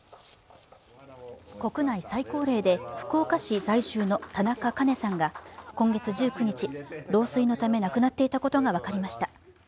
国内最高齢で福岡市在住の田中カ子さんが今月１９日、老衰のため亡くなっていたことが分かりました。